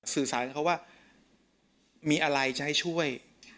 สื่อสารกับเขาว่ามีอะไรจะให้ช่วย